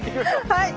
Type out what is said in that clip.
はい。